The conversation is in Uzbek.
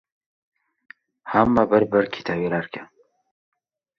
— Hamma bir-bir ketaverarkan...